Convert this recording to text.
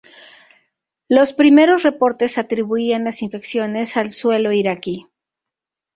Los primeros reportes atribuían las infecciones al suelo iraquí.